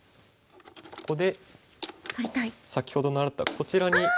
ここで先ほど習ったこちらに。